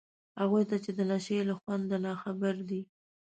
هغو ته چي د نشې له خونده ناخبر دي